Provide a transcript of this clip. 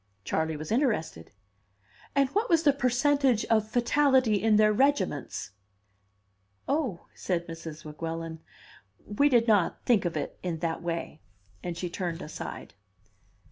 Charley was interested. "And what was the percentage of fatality in their regiments?" "Oh," said Mrs. Weguelin, "we did not think of it in that way." And she turned aside.